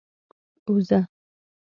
اوزه؟